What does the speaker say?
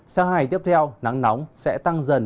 sáng hai ngày tiếp theo nắng nóng sẽ tăng dần